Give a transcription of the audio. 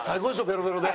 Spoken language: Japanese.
ベロベロで。